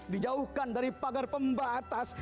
dijauhkan dari pagar pembatas